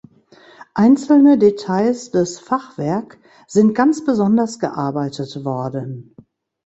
Einzelne Details des Fachwerk sind ganz besonders gearbeitet worden.